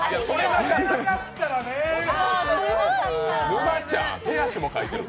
沼ちゃん、手足も描いてる。